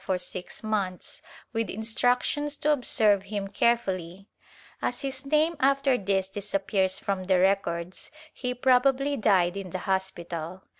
T. I Chap. VH] CONDITIONS 9 for six months, with instructions to observe him carefully. As his name after this disappears from the records, he probably died in the hospital.